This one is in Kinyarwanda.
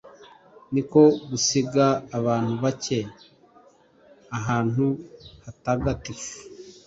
ni ko gusiga abantu bake ahantu hatagatifu